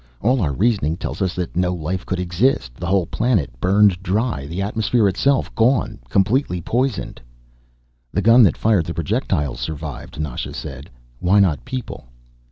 All our reasoning tells us that no life could exist; the whole planet burned dry, the atmosphere itself gone, completely poisoned." "The gun that fired the projectiles survived," Nasha said. "Why not people?"